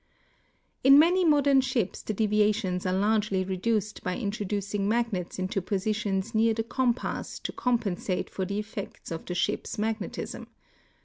In many modern ships the deviations are largely reduced by introducing magnets into positions near the compass to compen sate for the effects of the ship's magnetism.